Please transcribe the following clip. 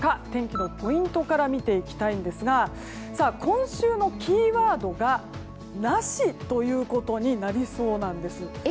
天気のポイントから見ていきたいんですが今週のキーワードがなしということになりそうなんです。